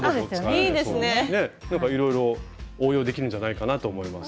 なんかいろいろ応用できるんじゃないかなと思います。